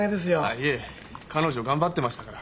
いえ彼女頑張ってましたから。